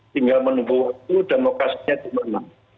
tinggal menunggu waktu dan lokasinya di mana